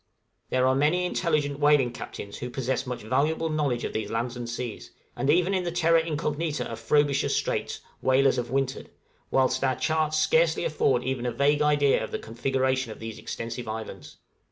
There are many intelligent whaling captains who possess much valuable knowledge of these lands and seas, and even in the terra incognita of Frobisher's Straits, whalers have wintered, whilst our charts scarcely afford even a vague idea of the configuration of these extensive islands.